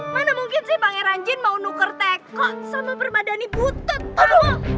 mana mungkin sih pangeran jin mau nuker teko sama permadani butut aduh